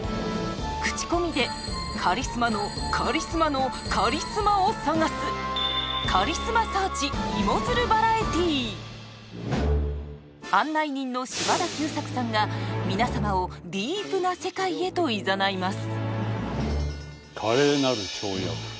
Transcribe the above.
口コミでカリスマのカリスマのカリスマを探す案内人の嶋田久作さんが皆様をディープな世界へといざないます。